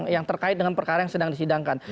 yang terkait dengan perkara yang sedang disidangkan